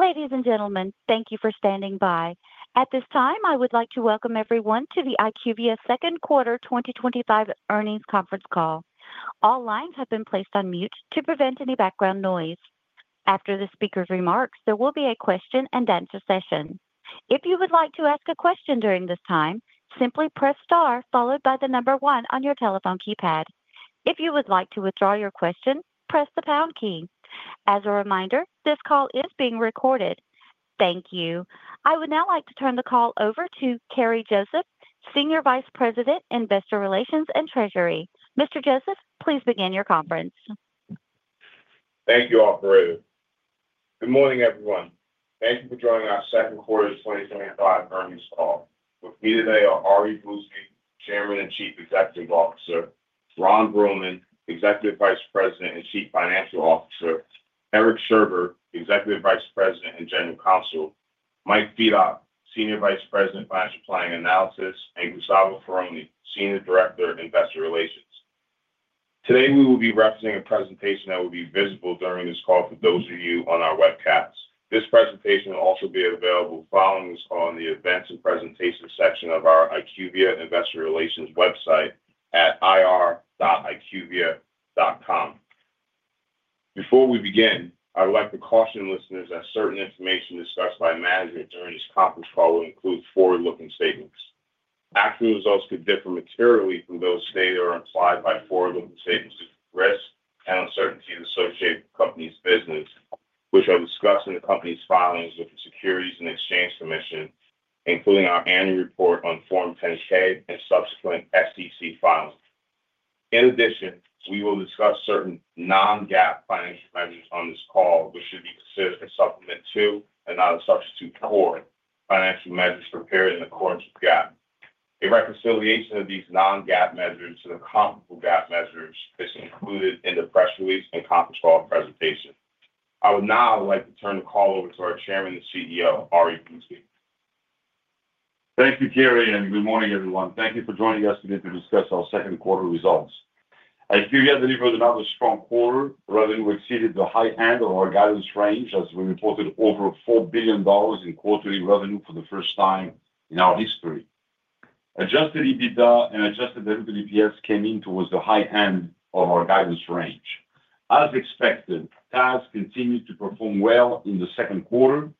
Ladies and gentlemen, thank you for standing by. At this time, I would like to welcome everyone to the IQVIA second quarter 2025 earnings conference call. All lines have been placed on mute to prevent any background noise. After the speaker's remarks, there will be a question and answer session. If you would like to ask a question during this time, simply press star followed by the number one on your telephone keypad. If you would like to withdraw your question, press the pound key. As a reminder, this call is being recorded. Thank you. I would now like to turn the call over to Kerri Joseph, Senior Vice President, Investor Relations and Treasury. Mr. Joseph, please begin your conference. Thank you, Offer A. Good morning, everyone. Thank you for joining our second quarter 2025 earnings call. With me today are Ari Bousbib, Chairman and Chief Executive Officer; Ron Bruehlman, Executive Vice President and Chief Financial Officer; Eric Sherbet, Executive Vice President and General Counsel; Mike Fedock, Senior Vice President, Financial Planning & Analysis; and Gustavo Ferroni, Senior Director, Investor Relations. Today, we will be referencing a presentation that will be visible during this call for those of you on our webcasts. This presentation will also be available following this call in the events and presentations section of our IQVIA Investor Relations website at ir.iqvia.com. Before we begin, I would like to caution listeners that certain information discussed by management during this conference call will include forward-looking statements. Actual results could differ materially from those stated or implied by forward-looking statements due to risk and uncertainties associated with the company's business, which are discussed in the company's filings with the Securities and Exchange Commission, including our annual report on Form 10-K and subsequent SEC filings. In addition, we will discuss certain non-GAAP financial measures on this call, which should be considered a supplement to and not a substitute for financial measures prepared in accordance with GAAP. A reconciliation of these non-GAAP measures to the comparable GAAP measures is included in the press release and conference call presentation. I would now like to turn the call over to our Chairman and CEO, Ari Bousbib. Thank you, Kerri, and good morning, everyone. Thank you for joining us today to discuss our second quarter results. IQVIA delivered another strong quarter. Revenue exceeded the high end of our guidance range, as we reported over $4 billion in quarterly revenue for the first time in our history. Adjusted EBITDA and Adjusted EPS came in towards the high end of our guidance range. As expected, TAS continued to perform well in the second quarter,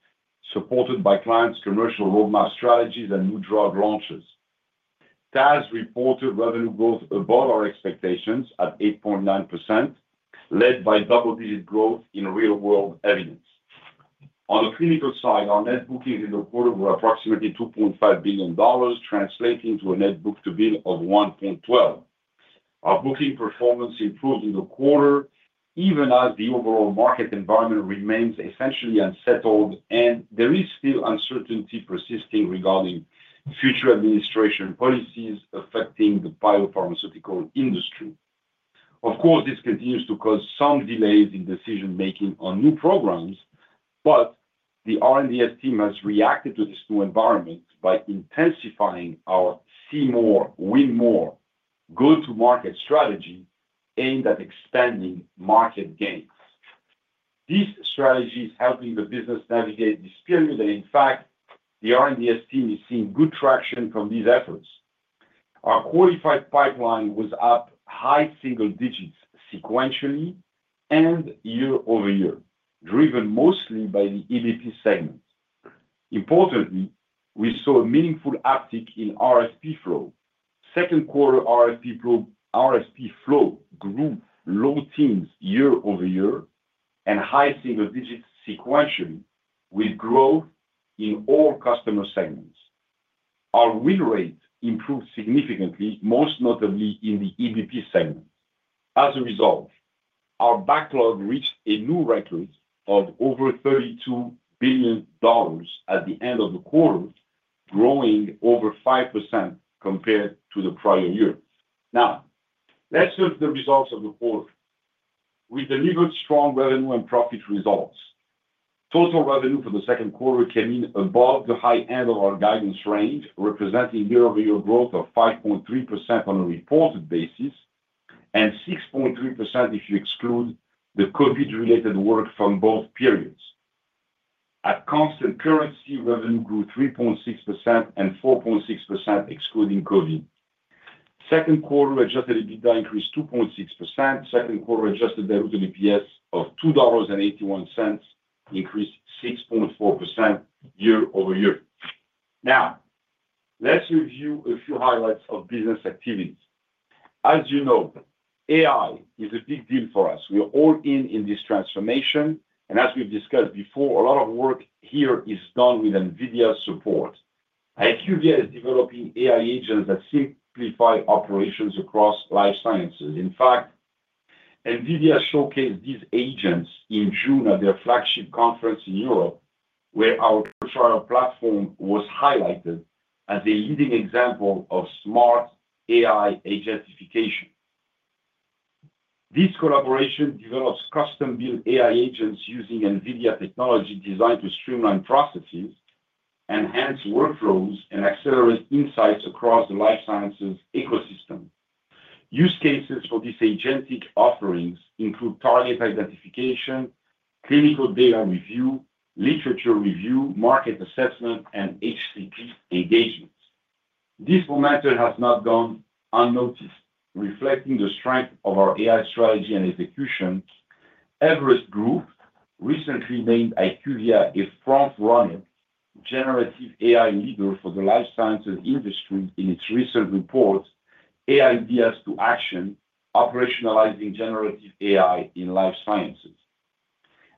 supported by clients' commercial roadmap strategies and new drug launches. TAS reported revenue growth above our expectations at 8.9%, led by double-digit growth in Real-World Evidence. On the clinical side, our net bookings in the quarter were approximately $2.5 billion, translating to a Net Book-to-Bill of 1.12. Our booking performance improved in the quarter, even as the overall market environment remains essentially unsettled, and there is still uncertainty persisting regarding future administration policies affecting the biopharmaceutical industry. Of course, this continues to cause some delays in decision-making on new programs, but the R&DS team has reacted to this new environment by intensifying our "see more, win more" go-to-market strategy aimed at expanding market gains. These strategies are helping the business navigate this period, and in fact, the R&DS team is seeing good traction from these efforts. Our Qualified Pipeline was up high single digits sequentially and year-over-year, driven mostly by the EBP Segment. Importantly, we saw a meaningful uptick in RFP Flow. Second quarter RFP Flow grew low teens year-over-year and high single digits sequentially with growth in all customer segments. Our Win Rate improved significantly, most notably in the EBP Segment. As a result, our backlog reached a new record of over $32 billion at the end of the quarter, growing over 5% compared to the prior year. Now, let's look at the results of the quarter. We delivered strong revenue and profit results. Total revenue for the second quarter came in above the high end of our guidance range, representing year-over-year growth of 5.3% on a reported basis and 6.3% if you exclude the COVID-related work from both periods. At constant currency, revenue grew 3.6% and 4.6%, excluding COVID. Second quarter Adjusted EBITDA increased 2.6%. Second quarter Adjusted EPS of $2.81 increased 6.4% year-over-year. Now, let's review a few highlights of business activities. As you know, AI is a big deal for us. We are all in in this transformation, and as we've discussed before, a lot of work here is done with NVIDIA's support. IQVIA is developing AI Agents that simplify operations across life sciences. In fact, NVIDIA showcased these agents in June at their flagship conference in Europe, where our virtual trial platform was highlighted as a leading example of smart AI agentification. This collaboration develops custom-built AI Agents using NVIDIA technology designed to streamline processes, enhance workflows, and accelerate insights across the life sciences ecosystem. Use cases for these agentic offerings include target identification, clinical data review, literature review, market assessment, and HCP Engagement. This momentum has not gone unnoticed, reflecting the strength of our AI strategy and execution. Everest Group recently named IQVIA a front-runner generative AI leader for the life sciences industry in its recent report, "AI Ideas to Action: Operationalizing Generative AI in Life Sciences."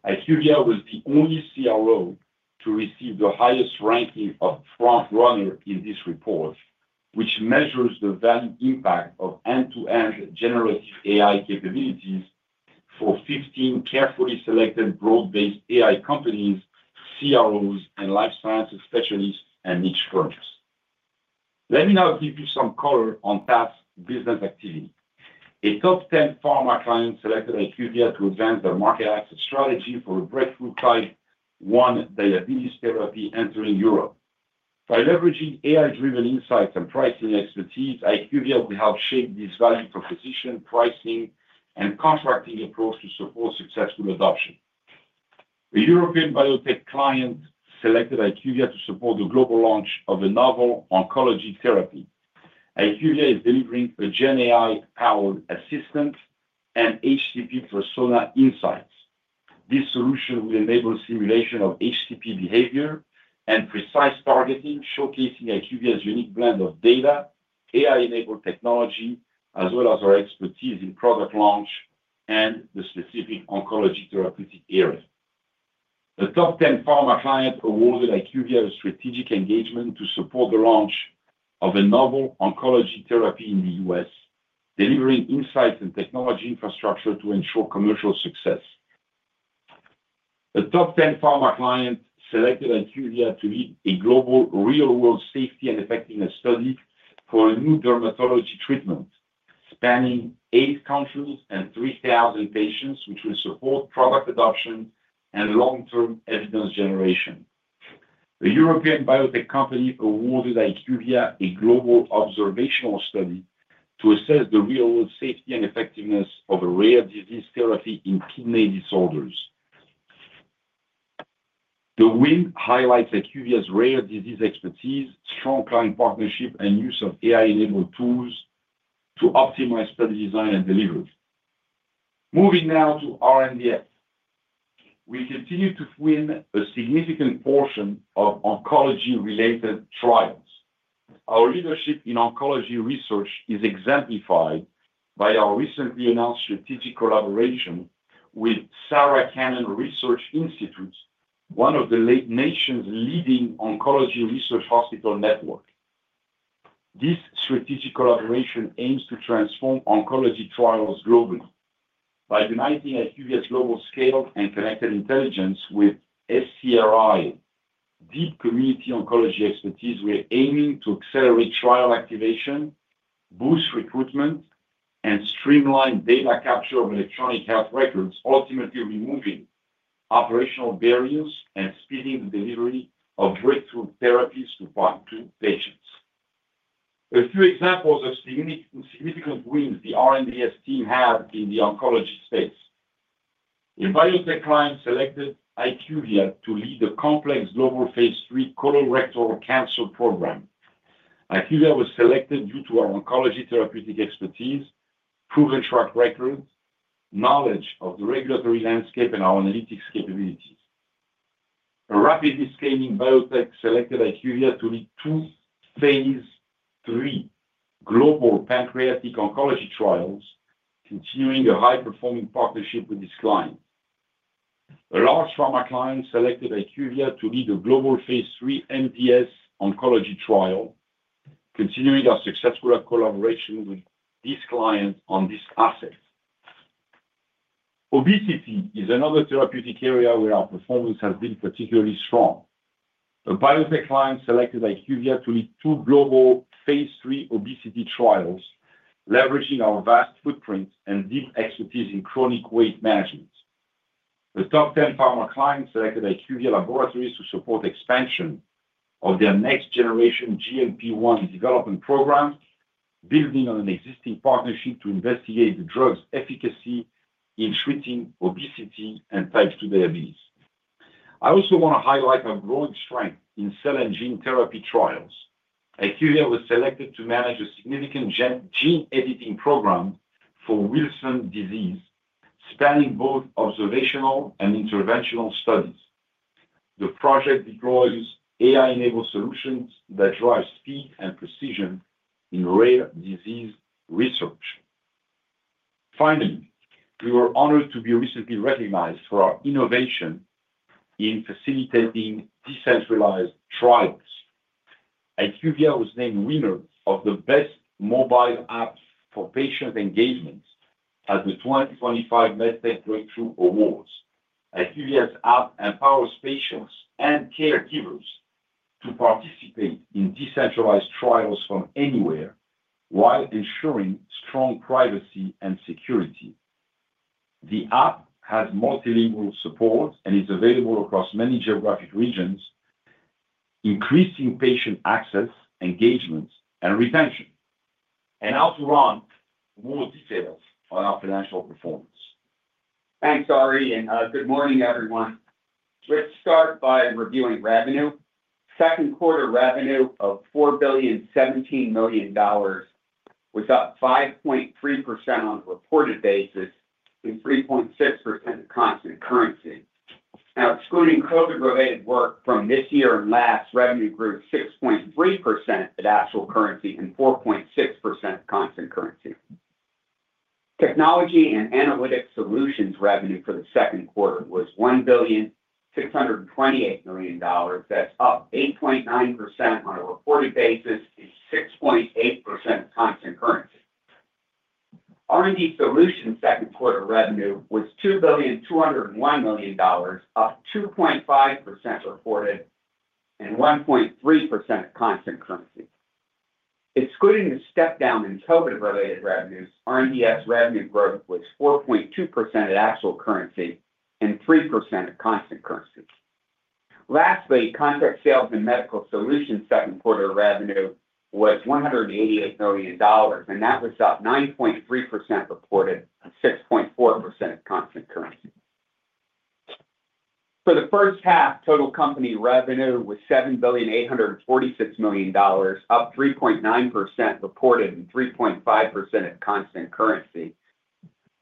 IQVIA was the only CRO to receive the highest ranking of front-runner in this report, which measures the value impact of end-to-end generative AI capabilities for 15 carefully selected broad-based AI companies, CROs, and life sciences specialists and niche firms. Let me now give you some color on TAS business activity. A top 10 pharma client selected IQVIA to advance their market access strategy for a breakthrough type 1 diabetes therapy entering Europe. By leveraging AI-driven insights and pricing expertise, IQVIA will help shape this value proposition, pricing, and contracting approach to support successful adoption. A European biotech client selected IQVIA to support the global launch of a novel oncology therapy. IQVIA is delivering a GenAI-powered assistant and HCP persona insights. This solution will enable simulation of HCP behavior and precise targeting, showcasing IQVIA's unique blend of data, AI-enabled technology, as well as our expertise in product launch and the specific oncology therapeutic area. A top 10 pharma client awarded IQVIA a strategic engagement to support the launch of a novel oncology therapy in the U.S., delivering insights and technology infrastructure to ensure commercial success. A top 10 pharma client selected IQVIA to lead a global Real-World safety and effectiveness study for a new dermatology treatment spanning eight countries and 3,000 patients, which will support product adoption and long-term evidence generation. A European biotech company awarded IQVIA a global observational study to assess the Real-World safety and effectiveness of a rare disease therapy in kidney disorders. The win highlights IQVIA's rare disease expertise, strong client partnership, and use of AI-enabled tools to optimize study design and delivery. Moving now to R&DS. We continue to win a significant portion of oncology-related trials. Our leadership in oncology research is exemplified by our recently announced strategic collaboration with Sarah Cannon Research Institute, one of the nation's leading oncology research hospital networks. This strategic collaboration aims to transform oncology trials globally. By uniting IQVIA's global scale and connected intelligence with SCRI deep community oncology expertise, we are aiming to accelerate trial activation, boost recruitment, and streamline data capture of Electronic Health Records, ultimately removing operational barriers and speeding the delivery of breakthrough therapies to patients. A few examples of significant wins the R&DS team had in the oncology space. A biotech client selected IQVIA to lead the complex global phase three colorectal cancer program. IQVIA was selected due to our oncology therapeutic expertise, proven track record, knowledge of the regulatory landscape, and our analytics capabilities. A rapidly scaling biotech selected IQVIA to lead two phase three global pancreatic oncology trials, continuing a high-performing partnership with this client. A large pharma client selected IQVIA to lead a global phase three MDS oncology trial. Continuing our successful collaboration with this client on this asset. Obesity is another therapeutic area where our performance has been particularly strong. A biotech client selected IQVIA to lead two global phase III obesity trials, leveraging our vast footprint and deep expertise in chronic weight management. A top 10 pharma client selected IQVIA Laboratories to support expansion of their next-generation GLP-1 development program. Building on an existing partnership to investigate the drug's efficacy in treating obesity and type 2 diabetes. I also want to highlight our growing strength in cell and gene therapy trials. IQVIA was selected to manage a significant gene editing program for Wilson disease, spanning both observational and interventional studies. The project deploys AI-enabled solutions that drive speed and precision in rare disease research. Finally, we were honored to be recently recognized for our innovation in facilitating Decentralized Trials. IQVIA was named winner of the best mobile app for patient engagement at the 2025 MedTech Breakthrough Awards. IQVIA's app empowers patients and caregivers to participate in Decentralized Trials from anywhere while ensuring strong privacy and security. The app has multilingual support and is available across many geographic regions, increasing patient access, engagement, and retention. Now to Ron for more details on our financial performance. Thanks, Ari, and good morning, everyone. Let's start by reviewing revenue. Second quarter revenue of $4.17 billion was up 5.3% on a reported basis and 3.6% in constant currency. Now, excluding COVID-related work from this year and last, revenue grew 6.3% in actual currency and 4.6% in constant currency. Technology & Analytics Solutions revenue for the second quarter was $1.628 billion. That's up 8.9% on a reported basis and 6.8% in constant currency. R&D Solutions second quarter revenue was $2.201 billion, up 2.5% reported and 1.3% in constant currency. Excluding the step-down in COVID-related revenues, R&D Solutions revenue growth was 4.2% in actual currency and 3% in constant currency. Lastly, Contract Sales & Medical Solutions second quarter revenue was $188 million, and that was up 9.3% reported and 6.4% in constant currency. For the first half, total company revenue was $7.846 billion, up 3.9% reported and 3.5% in constant currency.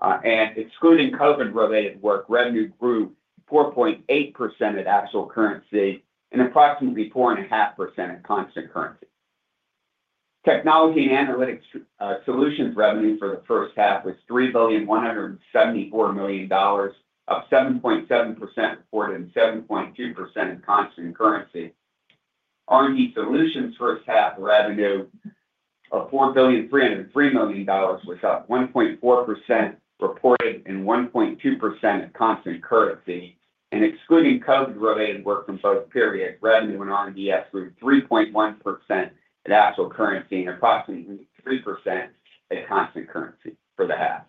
Excluding COVID-related work, revenue grew 4.8% in actual currency and approximately 4.5% in constant currency. Technology & Analytics Solutions revenue for the first half was $3.174 billion, up 7.7% reported and 7.2% in constant currency. R&D Solutions first half revenue of $4.303 billion was up 1.4% reported and 1.2% in constant currency. Excluding COVID-related work from both periods, revenue in R&D Solutions grew 3.1% in actual currency and approximately 3% in constant currency for the half.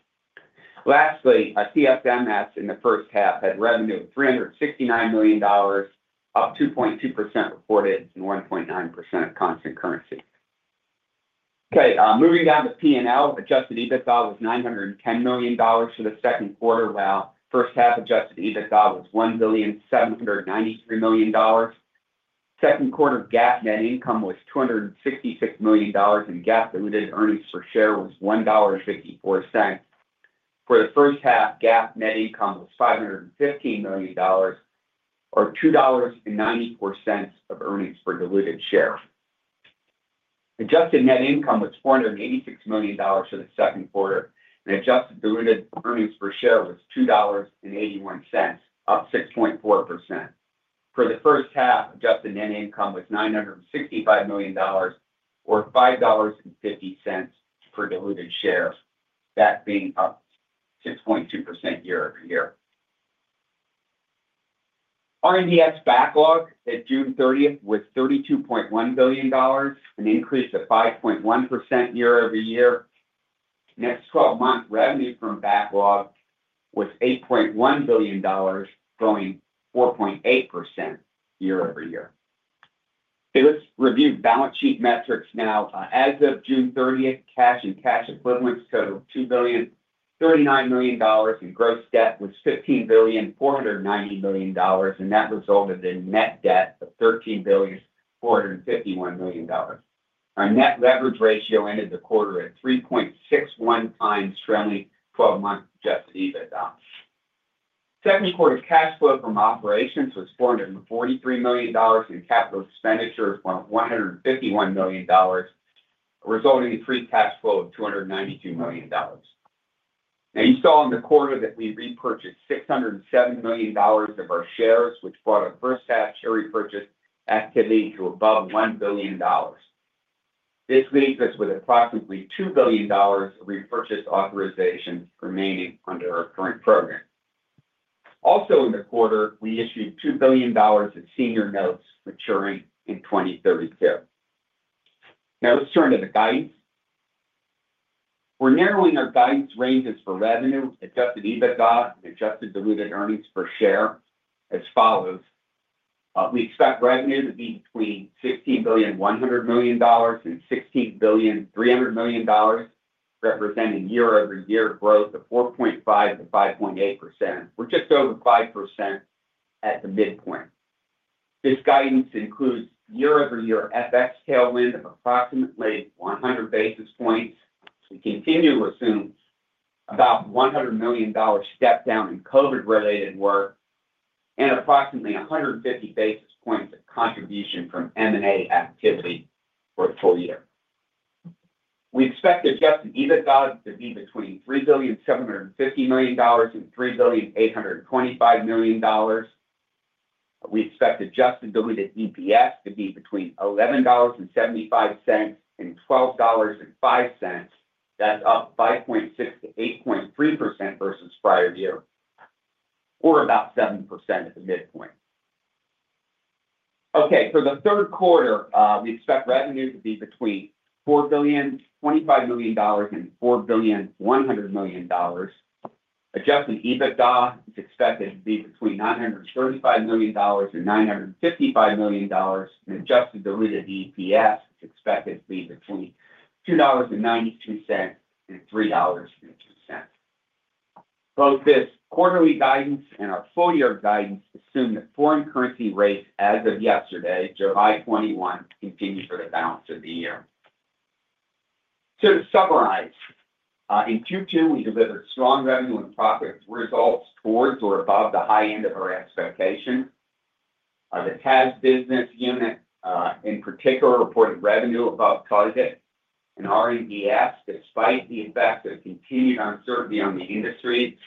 Lastly, CSM in the first half had revenue of $369 million, up 2.2% reported and 1.9% in constant currency. Okay, moving down to P&L, Adjusted EBITDA was $910 million for the second quarter, while first half Adjusted EBITDA was $1.793 billion. Second quarter GAAP net income was $266 million, and GAAP diluted earnings per share was $1.54. For the first half, GAAP net income was $515 million, or $2.94 of earnings per diluted share. Adjusted Net Income was $486 million for the second quarter, and adjusted diluted earnings per share was $2.81, up 6.4%. For the first half, Adjusted Net Income was $965 million, or $5.50 per diluted share, that being up 6.2% year-over-year. R&D Solutions backlog at June 30th was $32.1 billion, an increase of 5.1% year-over-year. Next 12-month revenue from backlog was $8.1 billion, growing 4.8% year-over-year. Let's review balance sheet metrics now. As of June 30th, cash and cash equivalents totaled $2.39 billion, and gross debt was $15.490 billion, and that resulted in net debt of $13.451 billion. Our net leverage ratio ended the quarter at 3.61x trailing twelve-month Adjusted EBITDA. Second quarter cash flow from operations was $443 million, and capital expenditure was $151 million, resulting in free cash flow of $292 million. Now, you saw in the quarter that we repurchased $607 million of our shares, which brought our first half share repurchase activity to above $1 billion. This leaves us with approximately $2 billion of repurchase authorization remaining under our current program. Also, in the quarter, we issued $2 billion of senior notes maturing in 2032. Now, let's turn to the guidance. We're narrowing our guidance ranges for revenue, Adjusted EBITDA, and adjusted diluted earnings per share as follows. We expect revenue to be between $16.1 billion and $16.3 billion, representing year-over-year growth of 4.5%-5.8%. We're just over 5% at the midpoint. This guidance includes year-over-year FX tailwind of approximately 100 basis points. We continue to assume about $100 million step-down in COVID-related work and approximately 150 basis points of contribution from M&A activity for the full year. We expect Adjusted EBITDA to be between $3.75 billion and $3.825 billion. We expect adjusted diluted EPS to be between $11.75 and $12.05. That's up 5.6%-8.3% versus prior year, or about 7% at the midpoint. For the third quarter, we expect revenue to be between $4.025 billion and $4.1 billion. Adjusted EBITDA is expected to be between $935 million and $955 million, and adjusted diluted EPS is expected to be between $2.93 and $3.02. Both this quarterly guidance and our full-year guidance assume that foreign currency rates, as of yesterday, July 21, continue for the balance of the year. To summarize, in Q2, we delivered strong revenue and profit results towards or above the high end of our expectation. The TAS business unit, in particular, reported revenue above target. R&DS, despite the effects of continued uncertainty on the industry,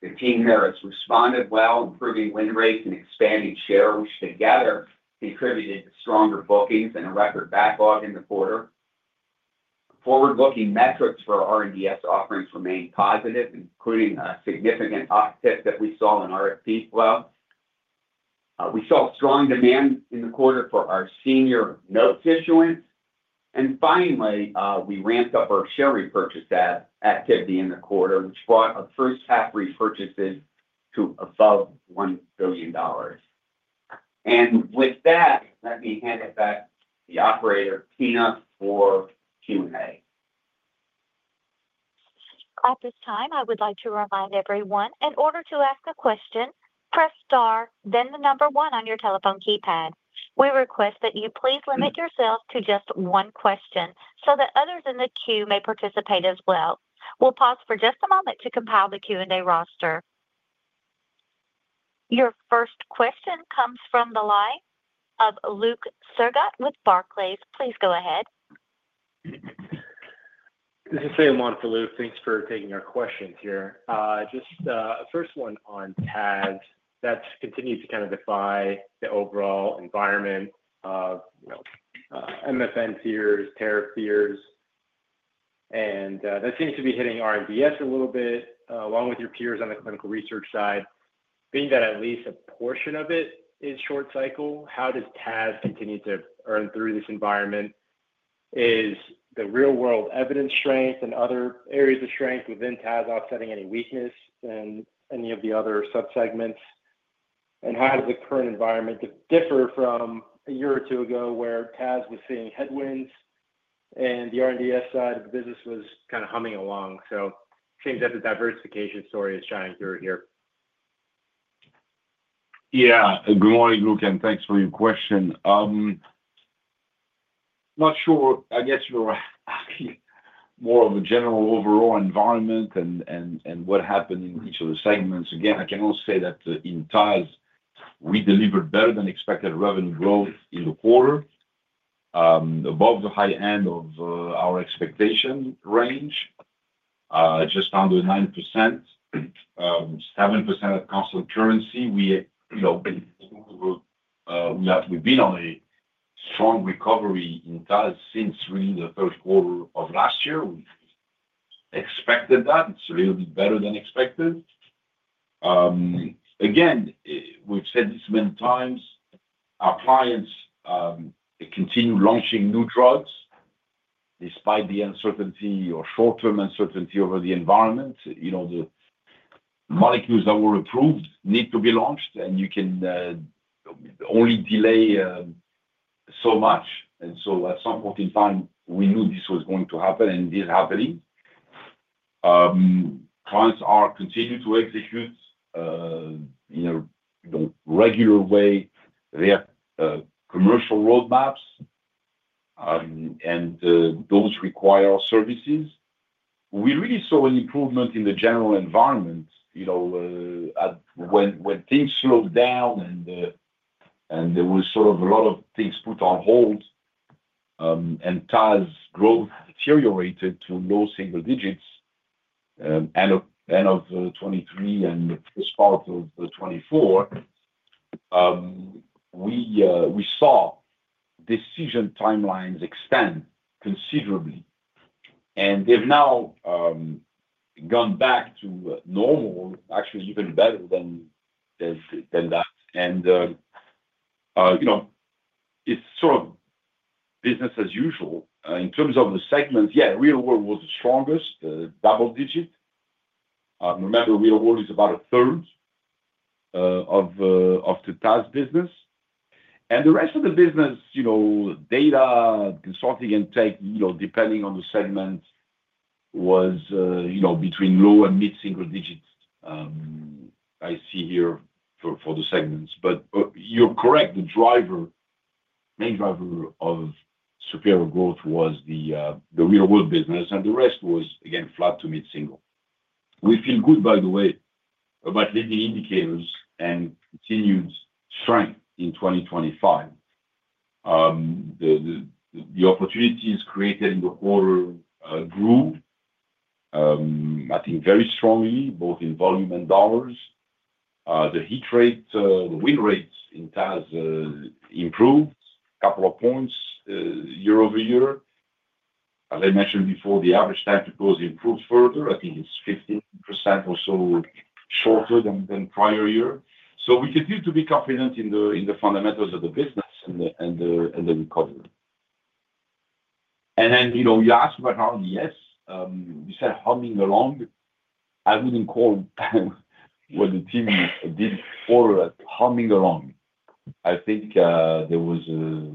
the team there has responded well, improving Win Rates and expanding share, which together contributed to stronger bookings and a record backlog in the quarter. Forward-looking metrics for R&DS offerings remain positive, including a significant uptick that we saw in RFP Flow. We saw strong demand in the quarter for our senior note issuance. Finally, we ramped up our share repurchase activity in the quarter, which brought our first half repurchases to above $1 billion. With that, let me hand it back to the operator, Tina, for Q&A. At this time, I would like to remind everyone, in order to ask a question, press star, then the number one on your telephone keypad. We request that you please limit yourself to just one question so that others in the queue may participate as well. We will pause for just a moment to compile the Q&A roster. Your first question comes from the line of Luke Sergott with Barclays. Please go ahead. This is Sam on for Luke. Thanks for taking our questions here. Just a first one on TAS, that continues to kind of defy the overall environment of MFN fears, tariff fears. That seems to be hitting R&DS a little bit, along with your peers on the clinical research side. Being that at least a portion of it is short cycle, how does TAS continue to earn through this environment? Is the Real-World Evidence strength and other areas of strength within TAS offsetting any weakness in any of the other subsegments? How does the current environment differ from a year or two ago where TAS was seeing headwinds and the R&DS side of the business was kind of humming along? It seems that the diversification story is shining through here. Yeah. Good morning, Luke, and thanks for your question. Not sure, I guess you're asking more of a general overall environment and what happened in each of the segments. Again, I can also say that in TAS, we delivered better-than-expected revenue growth in the quarter. Above the high end of our expectation range. Just under 9%. 7% at constant currency. We've been on a strong recovery in TAS since really the third quarter of last year. We expected that. It's a little bit better than expected. Again, we've said this many times. Our clients continue launching new drugs. Despite the uncertainty or short-term uncertainty over the environment. The molecules that were approved need to be launched, and you can only delay so much. At some point in time, we knew this was going to happen, and it is happening. Clients continue to execute in a regular way. They have commercial roadmaps, and those require our services. We really saw an improvement in the general environment. When things slowed down and there was sort of a lot of things put on hold, and TAS growth deteriorated to low single digits end of 2023 and the first part of 2024. We saw decision timelines extend considerably, and they've now gone back to normal, actually even better than that. It's sort of business as usual. In terms of the segments, yeah, Real-World was the strongest, double-digit. Remember, Real-World is about a third of the TAS business. The rest of the business, data, consulting, and tech, depending on the segment, was between low and mid-single digits. I see here for the segments. But you're correct, the driver, main driver of superior growth was the Real-World business, and the rest was, again, flat to mid-single. We feel good, by the way, about leading indicators and continued strength in 2025. The opportunities created in the quarter grew, I think, very strongly, both in volume and dollars. The Win Rates in TAS improved a couple of points year-over-year. As I mentioned before, the average time to close improved further. I think it's 15% or so shorter than prior year. We continue to be confident in the fundamentals of the business and the recovery. You asked about R&DS. You said humming along. I wouldn't call what the team did for humming along. I think there was a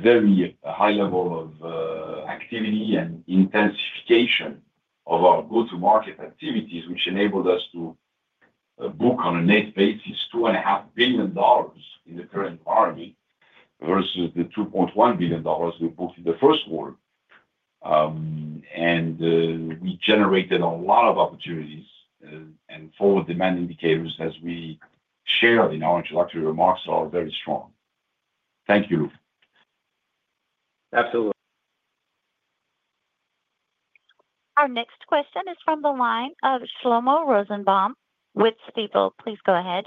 very high level of activity and intensification of our go-to-market activities, which enabled us to book on a net basis $2.5 billion in the current environment versus the $2.1 billion we booked in the first quarter. We generated a lot of opportunities and forward demand indicators, as we shared in our introductory remarks, are very strong. Thank you, Luke. Absolutely. Our next question is from the line of Shlomo Rosenbaum with Stifel. Please go ahead.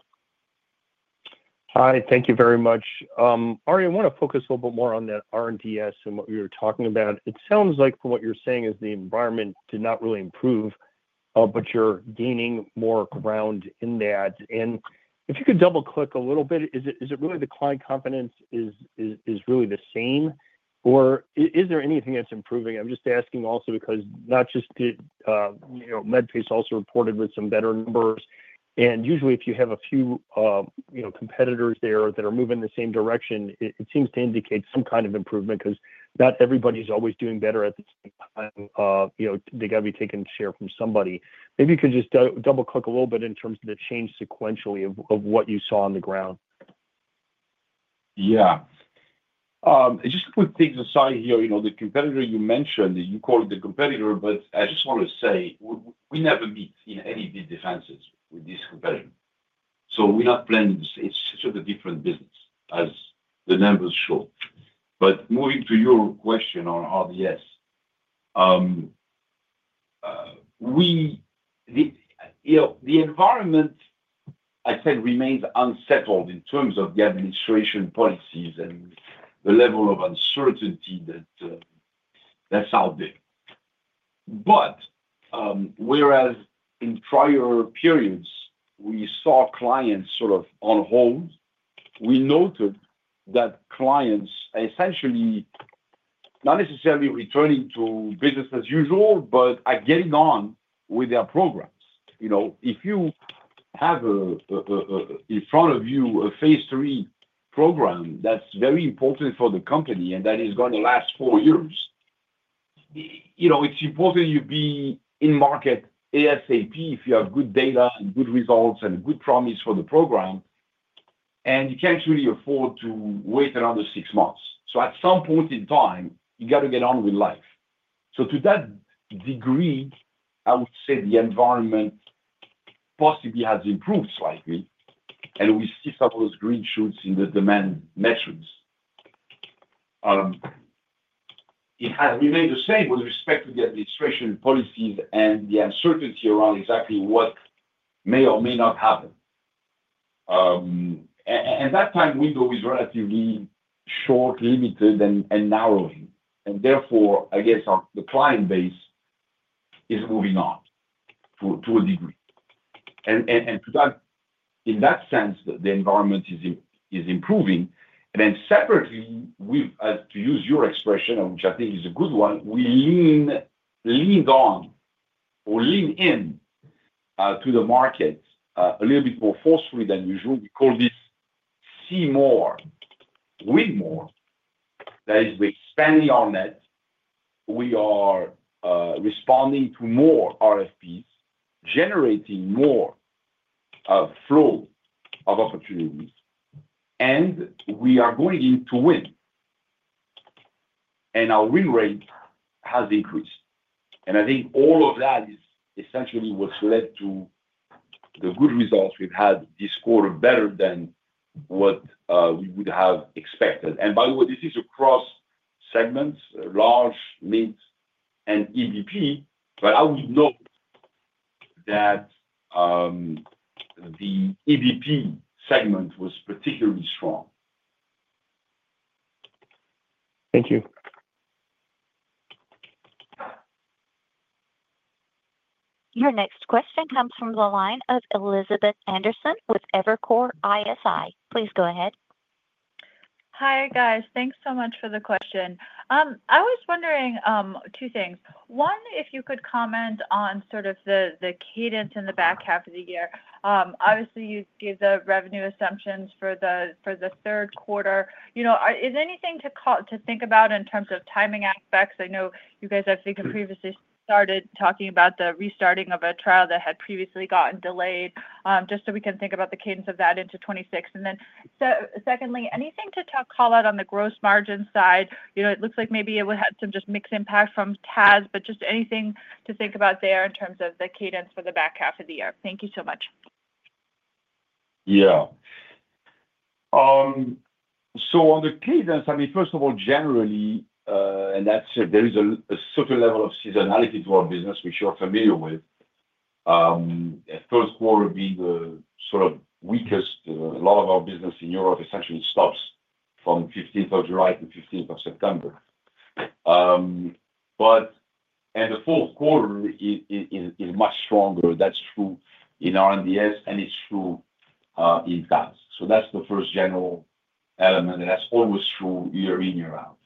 Hi, thank you very much. Ari, I want to focus a little bit more on that R&DS and what you were talking about. It sounds like from what you're saying is the environment did not really improve, but you're gaining more ground in that. If you could double-click a little bit, is it really the client confidence is really the same? Or is there anything that's improving? I'm just asking also because not just Medpace also reported with some better numbers. Usually, if you have a few competitors there that are moving in the same direction, it seems to indicate some kind of improvement because not everybody's always doing better at the same time. They got to be taking share from somebody. Maybe you could just double-click a little bit in terms of the change sequentially of what you saw on the ground. Yeah. Just to put things aside here, the competitor you mentioned, you call it the competitor, but I just want to say we never beat in any defenses with this competitor. We are not playing in the same—it is just a different business, as the numbers show. Moving to your question on R&DS. The environment, I think, remains unsettled in terms of the administration policies and the level of uncertainty that is out there. Whereas in prior periods, we saw clients sort of on hold, we noted that clients essentially, not necessarily returning to business as usual, but are getting on with their programs. If you have in front of you a phase three program that is very important for the company and that is going to last four years, it is important you be in market ASAP if you have good data and good results and good promise for the program. You cannot really afford to wait another six months. At some point in time, you have to get on with life. To that degree, I would say the environment possibly has improved slightly, and we see some of those green shoots in the demand metrics. It has remained the same with respect to the administration policies and the uncertainty around exactly what may or may not happen. That time window is relatively short, limited, and narrowing. Therefore, I guess the client base is moving on to a degree, and in that sense, the environment is improving. Separately, to use your expression, which I think is a good one, we leaned on or leaned in to the market a little bit more forcefully than usual. We call this see more, win more. That is, we are expanding our net. We are responding to more RFPs, generating more flow of opportunities, and we are going in to win. Our Win Rate has increased. I think all of that is essentially what has led to the good results we have had this quarter, better than what we would have expected. By the way, this is across segments, large, mid, and EBP, but I would note that the EBP Segment was particularly strong. Thank you. Your next question comes from the line of Elizabeth Anderson with Evercore ISI. Please go ahead. Hi, guys. Thanks so much for the question. I was wondering two things. One, if you could comment on sort of the cadence in the back half of the year. Obviously, you gave the revenue assumptions for the third quarter. Is anything to think about in terms of timing aspects? I know you guys have previously started talking about the restarting of a trial that had previously gotten delayed, just so we can think about the cadence of that into 2026. And then secondly, anything to call out on the gross margin side? It looks like maybe it would have some just mixed impact from TAS, but just anything to think about there in terms of the cadence for the back half of the year. Thank you so much. Yeah. So on the cadence, I mean, first of all, generally, and there is a certain level of seasonality to our business, which you're familiar with. First quarter being the sort of weakest. A lot of our business in Europe essentially stops from 15th of July to 15th of September. And the fourth quarter is much stronger. That's true in R&DS, and it's true in TAS. So that's the first general element, and that's always true year in, year out.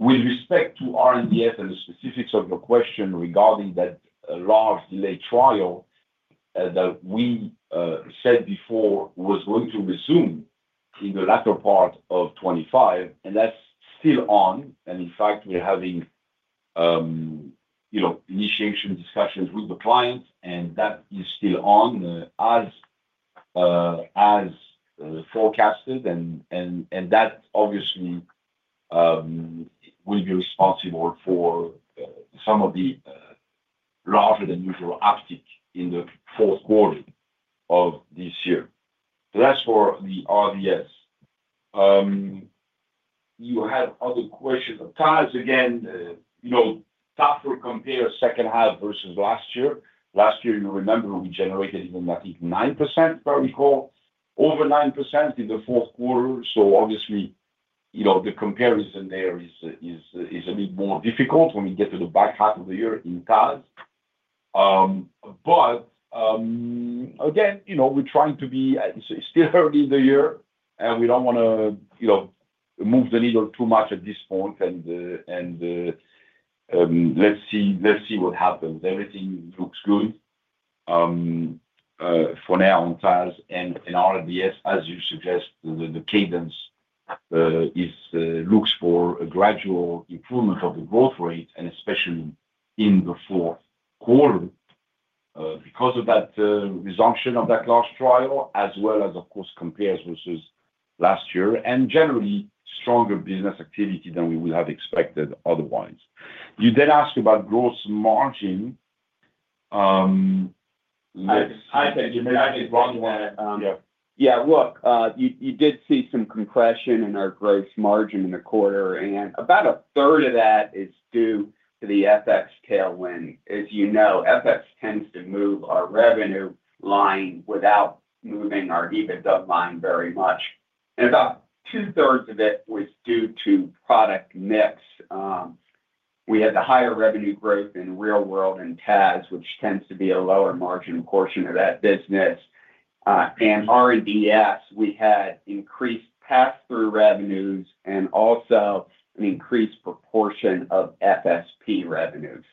With respect to R&DS and the specifics of your question regarding that large delay trial, that we said before was going to resume in the latter part of 2025, and that's still on. And in fact, we're having initiation discussions with the client, and that is still on as forecasted. And that obviously will be responsible for some of the larger-than-usual uptick in the fourth quarter of this year. So that's for the R&DS. You had other questions. TAS, again, tough to compare second half versus last year. Last year, you remember, we generated even, I think, 9%, if I recall, over 9% in the fourth quarter. So obviously, the comparison there is a bit more difficult when we get to the back half of the year in TAS. Again, we're trying to be—it's still early in the year, and we don't want to move the needle too much at this point. Let's see what happens. Everything looks good for now on TAS and R&DS, as you suggest, the cadence looks for a gradual improvement of the growth rate, and especially in the fourth quarter. Because of that resumption of that large trial, as well as, of course, compares versus last year, and generally stronger business activity than we would have expected otherwise. You then asked about gross margin. I think you may have brought me that. Yeah. Look, you did see some compression in our gross margin in the quarter, and about a third of that is due to the FX tailwind. As you know, FX tends to move our revenue line without moving our EBITDA line very much. About two-thirds of it was due to product mix. We had the higher revenue growth in Real-World and TAS, which tends to be a lower margin portion of that business. In R&DS, we had increased pass-through revenues and also an increased proportion of FSP revenues.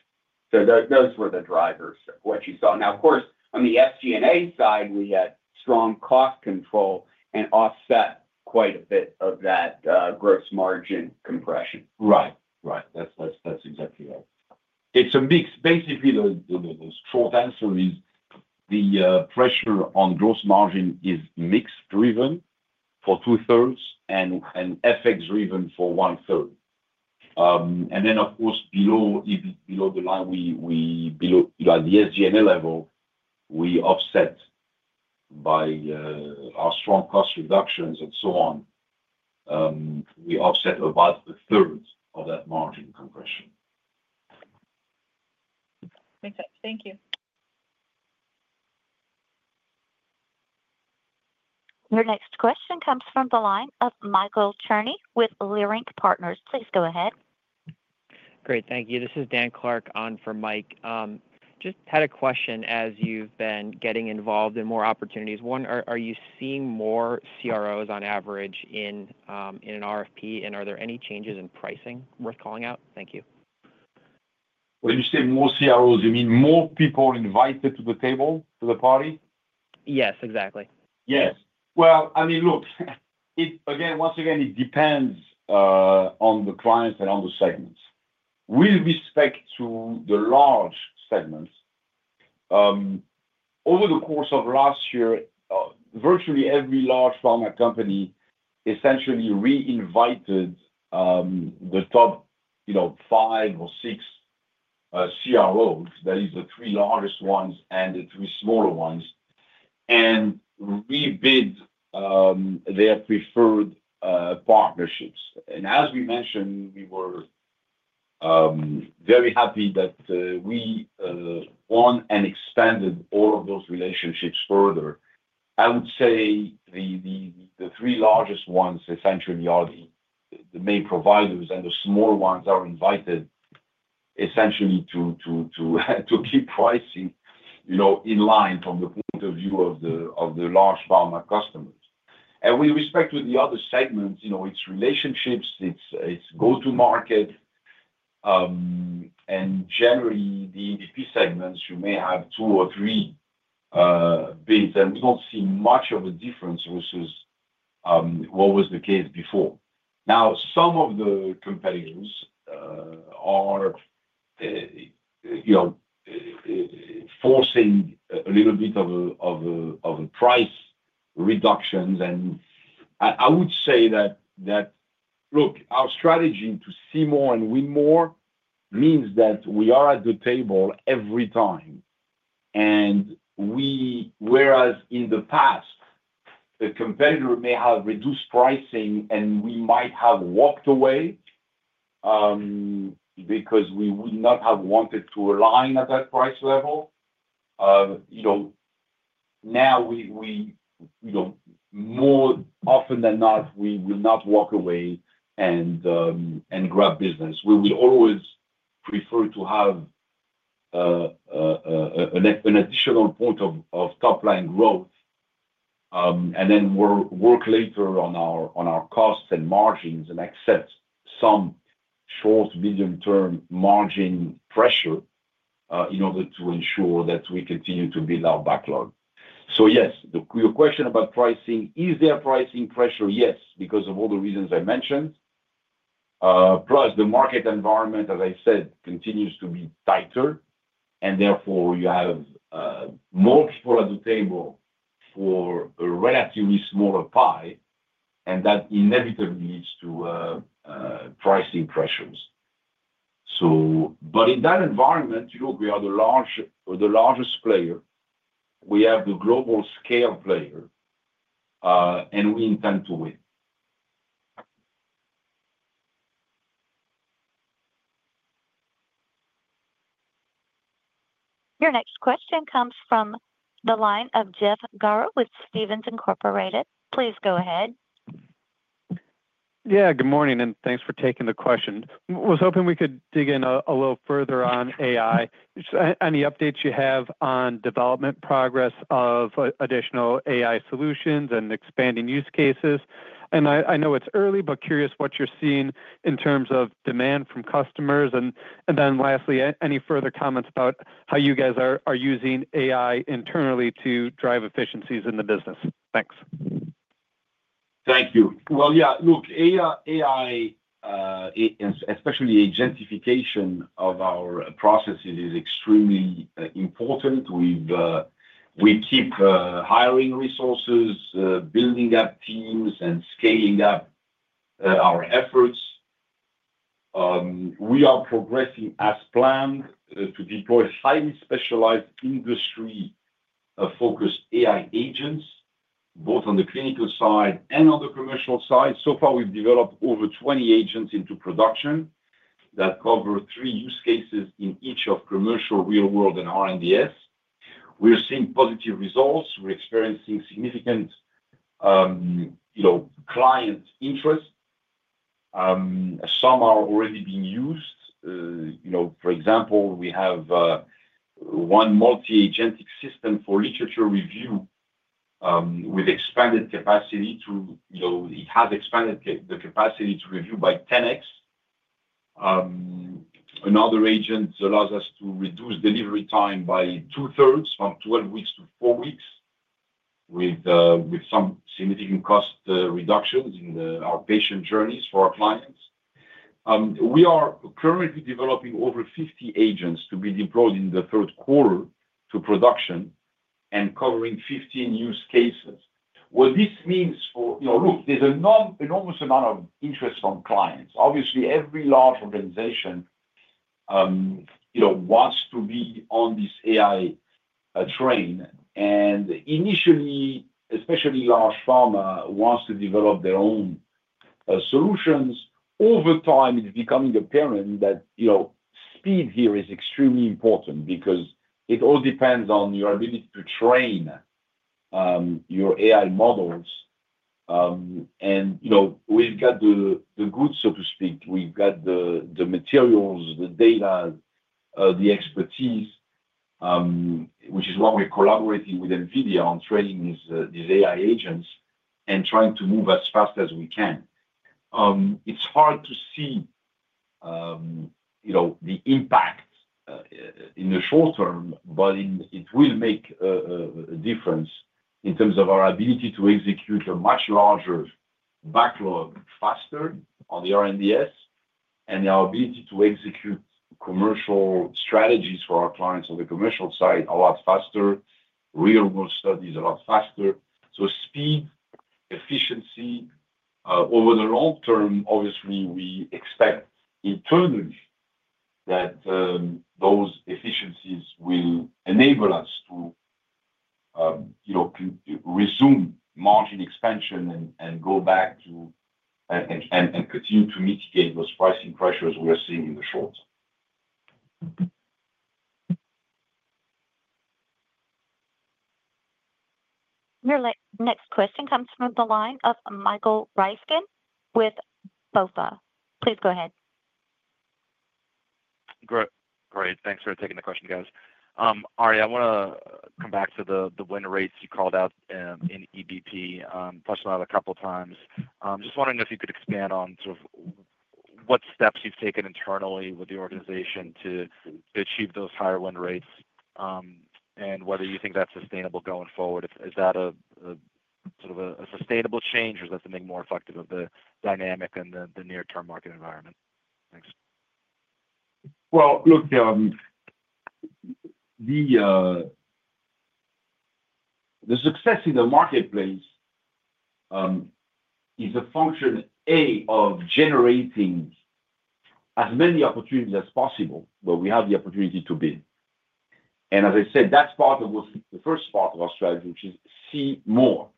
Those were the drivers of what you saw. Now, of course, on the FG&A side, we had strong cost control and offset quite a bit of that gross margin compression. Right. Right. That's exactly right. Basically, the short answer is the pressure on gross margin is mixed-driven for two-thirds and FX-driven for one-third. Of course, below the line, at the SG&A level, we offset by our strong cost reductions and so on. We offset about a third of that margin compression. Makes sense. Thank you. Your next question comes from the line of Michael Cherny with Leerink Partners. Please go ahead. Great. Thank you. This is Dan Clark on for Mike. Just had a question as you've been getting involved in more opportunities. One, are you seeing more CROs on average in an RFP, and are there any changes in pricing worth calling out? Thank you. When you say more CROs, you mean more people invited to the table, to the party? Yes, exactly. Yes. I mean, look. Once again, it depends on the clients and on the segments. With respect to the large segments, over the course of last year, virtually every large pharma company essentially re-invited the top five or six CROs, that is, the three largest ones and the three smaller ones, and rebid their preferred partnerships. As we mentioned, we were very happy that we won and expanded all of those relationships further. I would say the three largest ones essentially are the main providers, and the smaller ones are invited essentially to keep pricing in line from the point of view of the large pharma customers. With respect to the other segments, it's relationships, it's go-to-market. Generally, the EBP Segments, you may have two or three bids, and we do not see much of a difference versus what was the case before. Now, some of the competitors are forcing a little bit of price reductions. I would say that our strategy to see more and win more means that we are at the table every time. Whereas in the past, a competitor may have reduced pricing, and we might have walked away because we would not have wanted to align at that price level. Now, more often than not, we will not walk away and grab business. We will always prefer to have an additional point of top-line growth and then work later on our costs and margins and accept some short-medium-term margin pressure in order to ensure that we continue to build our backlog. Yes, your question about pricing, is there pricing pressure? Yes, because of all the reasons I mentioned. Plus, the market environment, as I said, continues to be tighter, and therefore you have more people at the table for a relatively smaller pie, and that inevitably leads to pricing pressures. In that environment, we are the largest player. We have the global scale player, and we intend to win. Your next question comes from the line of Jeff Garro with Stephens Inc. Please go ahead. Yeah. Good morning, and thanks for taking the question. I was hoping we could dig in a little further on AI. Any updates you have on development progress of additional AI solutions and expanding use cases? I know it's early, but curious what you're seeing in terms of demand from customers. Lastly, any further comments about how you guys are using AI internally to drive efficiencies in the business? Thanks. Thank you. Yeah. Look, AI. Especially identification of our processes, is extremely important. We keep hiring resources, building up teams, and scaling up our efforts. We are progressing as planned to deploy highly specialized industry-focused AI Agents, both on the clinical side and on the commercial side. So far, we've developed over 20 agents into production that cover three use cases in each of commercial, Real-World, and R&DS. We're seeing positive results. We're experiencing significant client interest. Some are already being used. For example, we have one multi-agentic system for literature review. It has expanded the capacity to review by 10x. Another agent allows us to reduce delivery time by two-thirds, from 12 weeks to 4 weeks, with some significant cost reductions in our patient journeys for our clients. We are currently developing over 50 agents to be deployed in the third quarter to production and covering 15 use cases. What this means for— Look, there's an enormous amount of interest from clients. Obviously, every large organization wants to be on this AI train. Initially, especially large pharma wants to develop their own solutions. Over time, it's becoming apparent that speed here is extremely important because it all depends on your ability to train your AI models. We've got the goods, so to speak. We've got the materials, the data, the expertise, which is why we're collaborating with NVIDIA on training these AI Agents and trying to move as fast as we can. It's hard to see the impact in the short term, but it will make a difference in terms of our ability to execute a much larger backlog faster on the R&DS and our ability to execute commercial strategies for our clients on the commercial side a lot faster, Real-World studies a lot faster. Speed, efficiency. Over the long term, obviously, we expect internally that those efficiencies will enable us to resume margin expansion and go back to and continue to mitigate those pricing pressures we are seeing in the short term. Your next question comes from the line of Michael Ryskin with BofA. Please go ahead. Great. Thanks for taking the question, guys. Ari, I want to come back to the Win Rates you called out in EBP, touched on it a couple of times. Just wondering if you could expand on sort of what steps you've taken internally with the organization to achieve those higher Win Rates, and whether you think that's sustainable going forward. Is that sort of a sustainable change, or is that something more reflective of the dynamic and the near-term market environment? Thanks. Success in the marketplace is a function, A, of generating as many opportunities as possible where we have the opportunity to bid. As I said, that's part of the first part of our strategy, which is see more.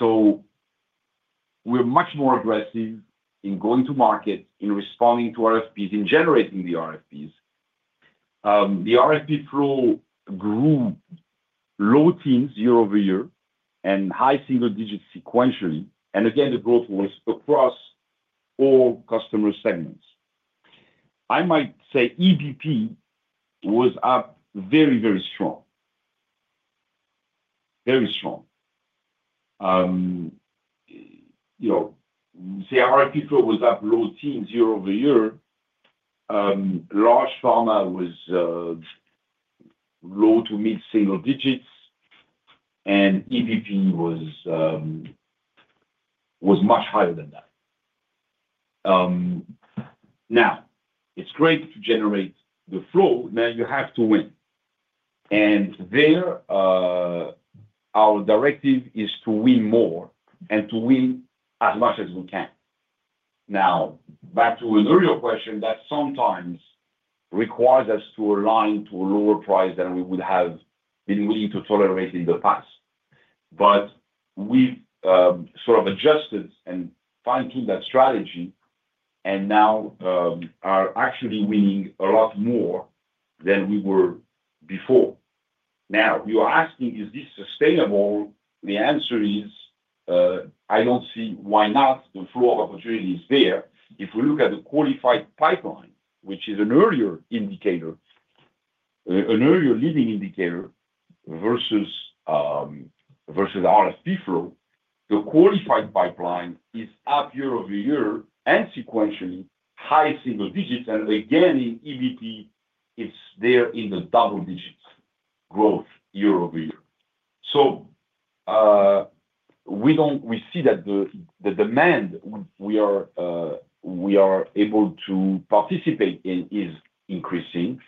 We are much more aggressive in going to market, in responding to RFPs, in generating the RFPs. The RFP Flow grew low teens year over year and high single digits sequentially. Again, the growth was across all customer segments. I might say EBP was up very, very strong. Very strong. The RFP Flow was up low teens year over year. Large pharma was low to mid-single digits. EBP was much higher than that. It is great to generate the flow. Now, you have to win. There, our directive is to win more and to win as much as we can. Back to an earlier question, that sometimes requires us to align to a lower price than we would have been willing to tolerate in the past. We have sort of adjusted and fine-tuned that strategy, and now are actually winning a lot more than we were before. You are asking, "Is this sustainable?" The answer is, I do not see why not. The flow of opportunity is there. If we look at the Qualified Pipeline, which is an earlier indicator, an earlier leading indicator versus the RFP Flow, the Qualified Pipeline is up year over year and sequentially high single digits. Again, in EBP, it is there in the double-digit growth year over year. We see that the demand we are able to participate in is increasing.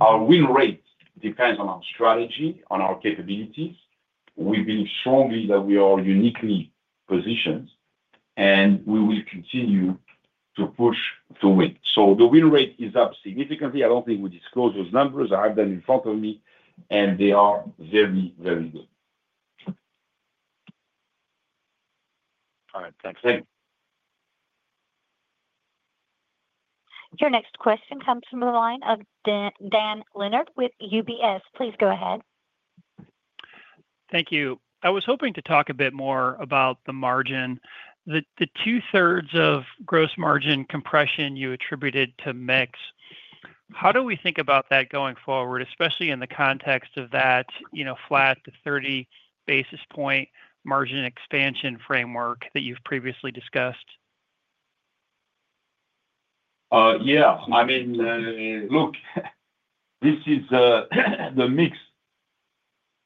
Our Win Rate depends on our strategy, on our capabilities. We believe strongly that we are uniquely positioned, and we will continue to push to win. The Win Rate is up significantly. I do not think we disclose those numbers. I have them in front of me, and they are very, very good. All right. Thanks. Your next question comes from the line of Dan Leonard with UBS. Please go ahead. Thank you. I was hoping to talk a bit more about the margin. The two-thirds of gross margin compression you attributed to mix, how do we think about that going forward, especially in the context of that flat to 30 basis point margin expansion framework that you've previously discussed? Yeah. I mean, look. This is. The mix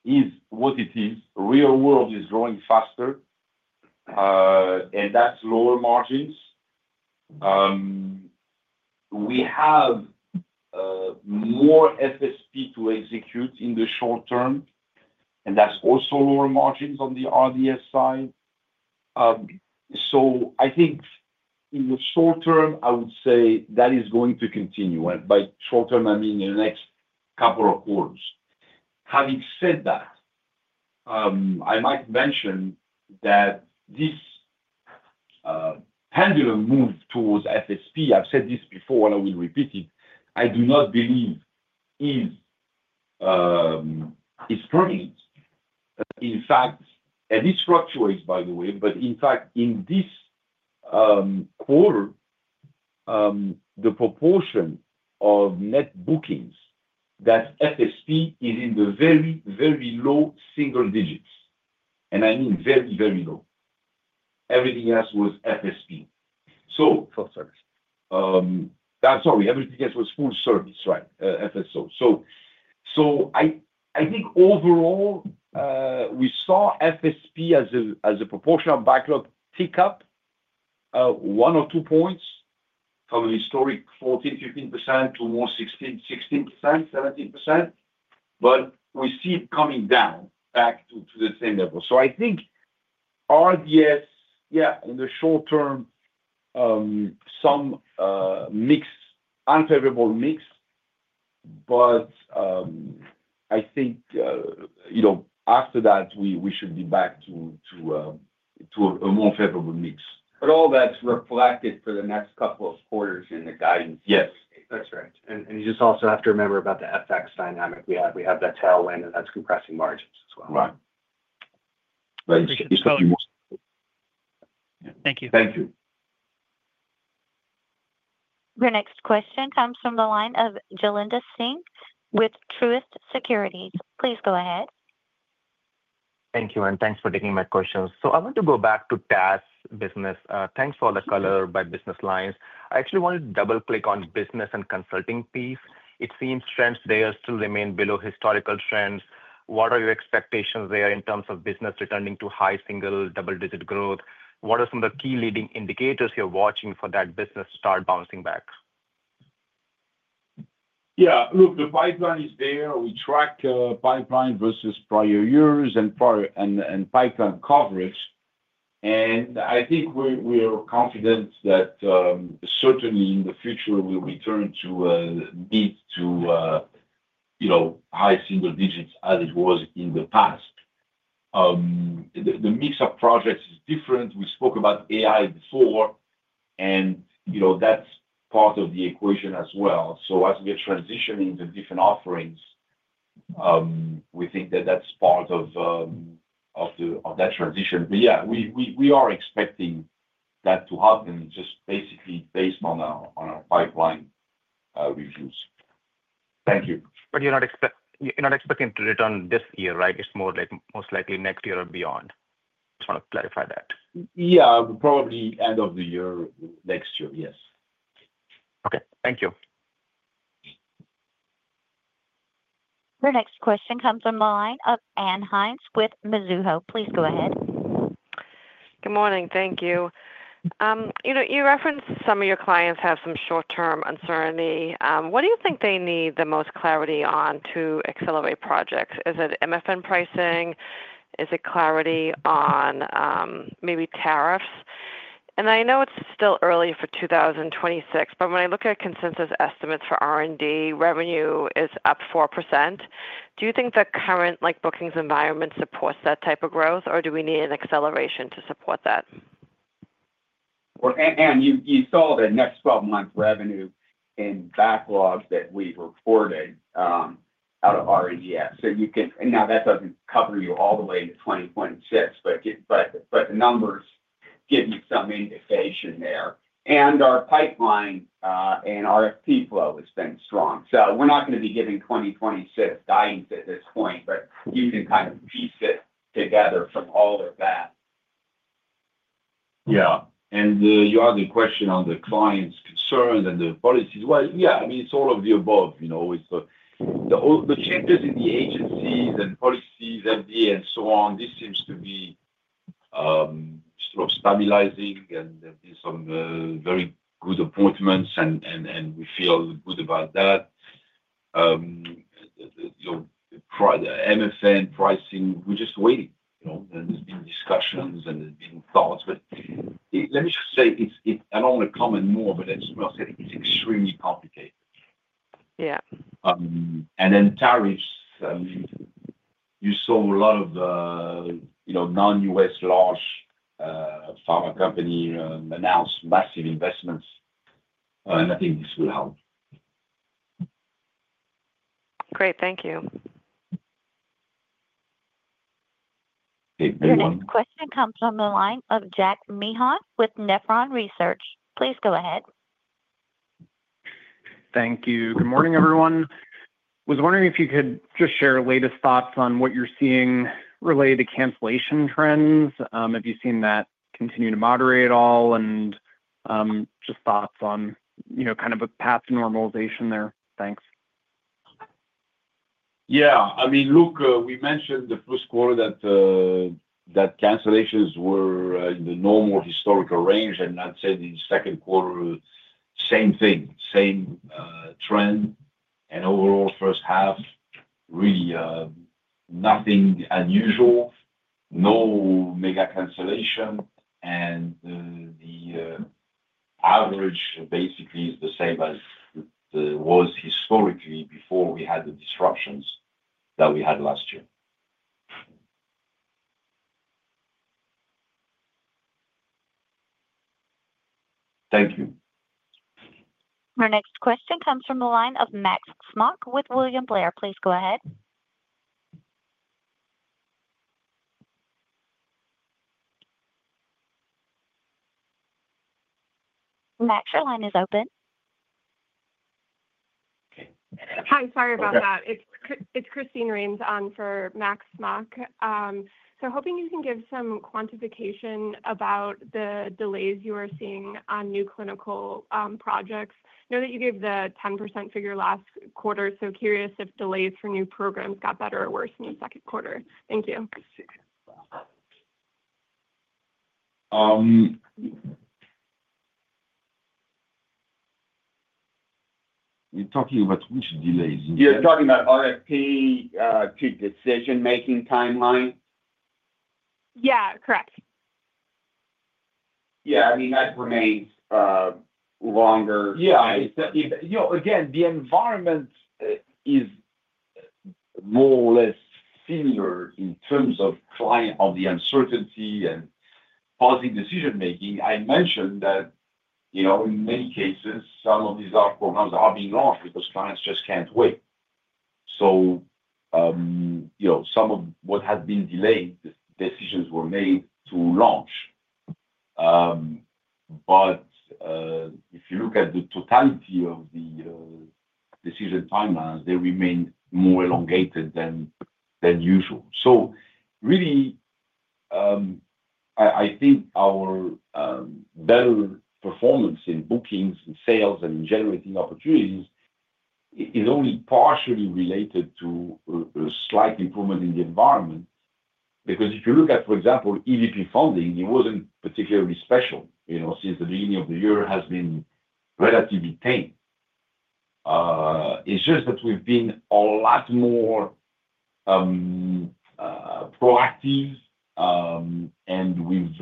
is what it is. Real world is growing faster. And that's lower margins. We have more FSP to execute in the short term, and that's also lower margins on the R&D Solutions side. I think in the short term, I would say that is going to continue. By short term, I mean in the next couple of quarters. Having said that, I might mention that this pendulum move towards FSP—I have said this before, and I will repeat it—I do not believe is permanent. In fact, and this fluctuates, by the way, but in fact, in this quarter, the proportion of net bookings that FSP is in the very, very low single digits. And I mean very, very low. Everything else was FSP. So. Full service. I'm sorry. Everything else was full service, right? FSP. I think overall, we saw FSP as a proportional backlog tick up one or two points from a historic 14%-15% to more 16%-17%. We see it coming down back to the same level. I think R&DS, yeah, in the short term, some mix, unfavorable mix. I think after that, we should be back to a more favorable mix. All that's reflected for the next couple of quarters in the guidance. Yes. That's right. You just also have to remember about the FX dynamic. We have that tailwind, and that's compressing margins as well. Right. Thank you. Thank you. Your next question comes from the line of Jailendra Singh with Truist Securities. Please go ahead. Thank you. Thanks for taking my questions. I want to go back to TAS business. Thanks for the color by business lines. I actually wanted to double-click on business and consulting piece. It seems trends there still remain below historical trends. What are your expectations there in terms of business returning to high single double-digit growth? What are some of the key leading indicators you're watching for that business to start bouncing back? Yeah. Look, the pipeline is there. We track pipeline versus prior years and pipeline coverage. I think we are confident that certainly in the future, we'll return to need to high single digits as it was in the past. The mix of projects is different. We spoke about AI before, and that's part of the equation as well. As we are transitioning to different offerings, we think that that's part of that transition. Yeah, we are expecting that to happen just basically based on our pipeline reviews. Thank you. You're not expecting to return this year, right? It's more like most likely next year or beyond. Just want to clarify that. Yeah. Probably end of the year next year. Yes. Okay. Thank you. Your next question comes from the line of Ann Hynes with Mizuho. Please go ahead. Good morning. Thank you. You referenced some of your clients have some short-term uncertainty. What do you think they need the most clarity on to accelerate projects? Is it MFN pricing? Is it clarity on, maybe, tariffs? I know it is still early for 2026, but when I look at consensus estimates for R&D, revenue is up 4%. Do you think the current bookings environment supports that type of growth, or do we need an acceleration to support that? Anne, you saw the next 12-month revenue in backlog that we reported. Out of R&DS. Now that does not cover you all the way into 2026, but the numbers give you some indication there. Our pipeline and RFP Flow has been strong. We are not going to be giving 2026 guidance at this point, but you can kind of piece it together from all of that. Yeah. You asked the question on the client's concerns and the policies. Yeah, I mean, it's all of the above. The changes in the agencies and policies, FDA, and so on, this seems to be sort of stabilizing, and there have been some very good appointments, and we feel good about that. MFN pricing, we're just waiting. There's been discussions, and there's been thoughts. Let me just say, I don't want to comment more, but as you said, it's extremely complicated. Then tariffs. You saw a lot of non-U.S. large pharma companies announce massive investments. I think this will help. Great. Thank you. Your next question comes from the line of Jack Meehan with Nephron Research. Please go ahead. Thank you. Good morning, everyone. I was wondering if you could just share latest thoughts on what you're seeing related to cancellation trends. Have you seen that continue to moderate at all? Just thoughts on kind of a path to normalization there? Thanks. Yeah. I mean, look, we mentioned the first quarter that cancellations were in the normal historical range. I'd say the second quarter, same thing, same trend. Overall, first half, really nothing unusual. No mega cancellation. The average basically is the same as it was historically before we had the disruptions that we had last year. Thank you. Your next question comes from the line of Max Smock with William Blair. Please go ahead. Max, your line is open. Hi. Sorry about that. It's Christine [Reams] on for Max Smock. Hoping you can give some quantification about the delays you are seeing on new clinical projects. I know that you gave the 10% figure last quarter, curious if delays for new programs got better or worse in the second quarter. Thank you. I see. You're talking about which delays? You're talking about RFP to decision-making timeline? Yeah. Correct. Yeah. I mean, that remains. Longer. Yeah. Again, the environment is more or less similar in terms of client uncertainty and positive decision-making. I mentioned that in many cases, some of these large programs are being launched because clients just can't wait. Some of what had been delayed, decisions were made to launch. If you look at the totality of the decision timelines, they remain more elongated than usual. Really, I think our better performance in bookings and sales and in generating opportunities is only partially related to a slight improvement in the environment. Because if you look at, for example, EVP funding, it wasn't particularly special since the beginning of the year, has been relatively tame. It's just that we've been a lot more proactive, and we've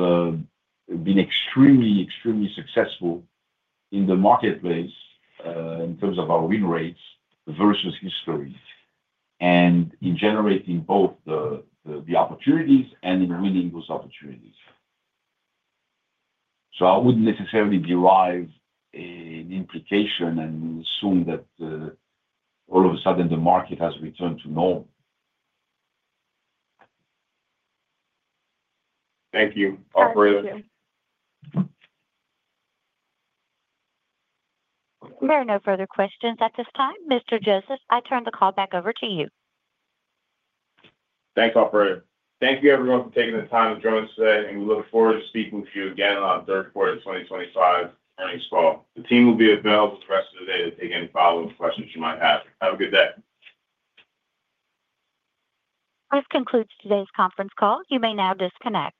been extremely, extremely successful in the marketplace in terms of our Win Rates versus history, and in generating both the opportunities and in winning those opportunities. I wouldn't necessarily derive an implication and assume that all of a sudden the market has returned to normal. Thank you. Operator. Thank you. There are no further questions at this time. Mr. Joseph, I turn the call back over to you. Thanks, Alfredo. Thank you, everyone, for taking the time to join us today. We look forward to speaking with you again on the third quarter 2025 earnings call. The team will be available for the rest of the day to take any follow-up questions you might have. Have a good day. This concludes today's conference call. You may now disconnect.